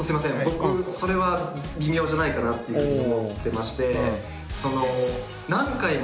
僕それは微妙じゃないかなっていうふうに思ってまして。